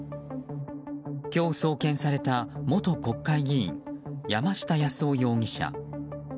今日、送検された元国会議員・山下八洲夫容疑者。